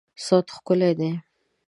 صوت ښکلی دی